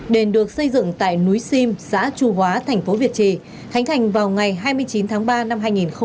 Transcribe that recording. đền được xây dựng tại núi sim xã chu hóa thành phố việt trì hành hành vào ngày hai mươi chín tháng ba năm hai nghìn chín